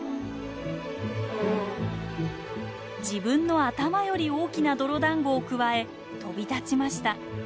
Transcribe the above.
自分の頭より大きな泥だんごをくわえ飛び立ちました。